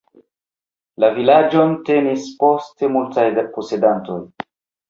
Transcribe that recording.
La vilaĝon tenis poste multaj posedantoj.